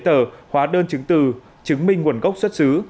trong khi đưa ra những bài tờ hóa đơn chứng từ chứng minh nguồn gốc xuất xứ